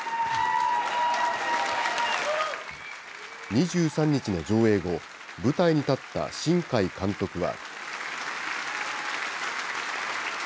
２３日の上映後、舞台に立った新海監督は。